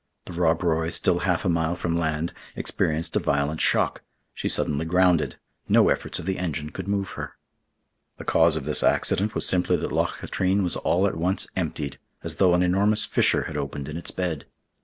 The Rob Roy, still half a mile from land, experienced a violent shock. She suddenly grounded. No efforts of the engine could move her. The cause of this accident was simply that Loch Katrine was all at once emptied, as though an enormous fissure had opened in its bed.